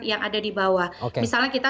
yang ada dibawah misalnya kita